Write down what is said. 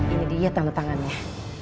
ini dia tanda tangannya